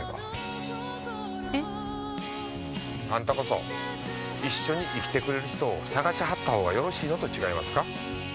えっ？あんたこそ一緒に生きてくれる人を探しはった方がよろしいのと違いますか？